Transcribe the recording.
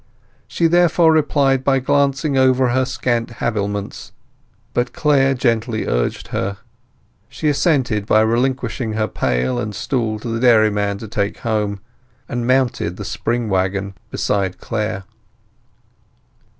She therefore replied by glancing over her scant habiliments; but Clare gently urged her. She assented by relinquishing her pail and stool to the dairyman to take home, and mounted the spring waggon beside Clare.